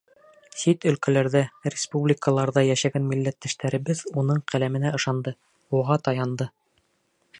Сит өлкәләрҙә, республикаларҙа йәшәгән милләттәштәребеҙ уның ҡәләменә ышанды, уға таянды.